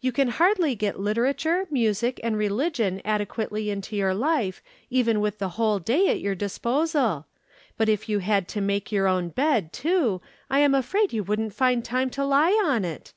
You can hardly get literature, music, and religion adequately into your life even with the whole day at your disposal; but if you had to make your own bed, too, I am afraid you wouldn't find time to lie on it."